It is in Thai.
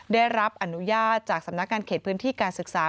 ได้รับอนุญาตจากสำนักงานเขตพื้นที่การศึกษา